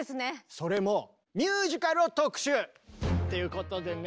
それもミュージカルを特集！ということでね。